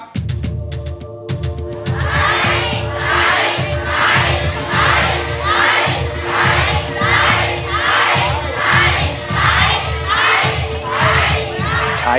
ไม่ใช้